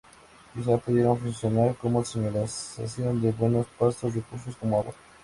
Quizá pudieron funcionar como señalización de buenos pastos, recursos como agua.